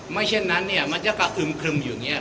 เช่นนั้นเนี่ยมันจะกระอึมครึมอยู่อย่างนี้